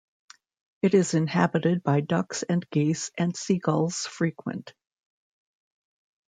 It is inhabited by ducks and geese and seagulls frequent.